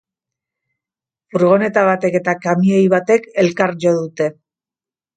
Furgoneta batek eta kamioi batek elkar jo dute.